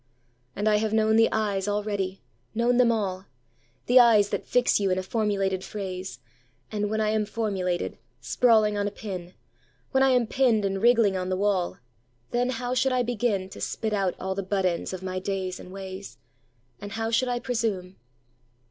And I have known the eyes already, known them all—The eyes that fix you in a formulated phrase, And when I am formulated, sprawling on a pin, When I am pinned and wriggling on the wall, Then how should I beginTo spit out all the butt ends of my days and ways? And how should I presume?